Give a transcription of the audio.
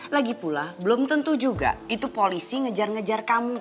lagi pula belum tentu juga itu polisi ngejar ngejar kamu